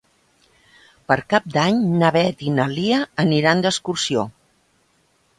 Per Cap d'Any na Beth i na Lia aniran d'excursió.